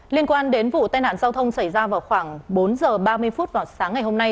liên quan đến vụ tai nạn giao thông xảy ra vào khoảng bốn h ba mươi phút vào sáng ngày hôm nay